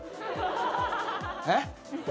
えっ？